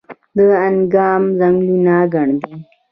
دانګام ځنګلونه ګڼ دي؟